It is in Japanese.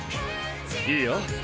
いいよ。